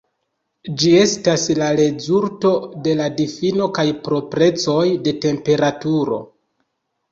Ĝi estas la rezulto de la difino kaj proprecoj de temperaturo.